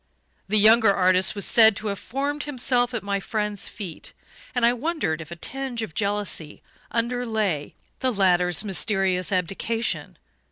The younger artist was said to have formed himself at my friend's feet, and I wondered if a tinge of jealousy underlay the latter's mysterious abdication.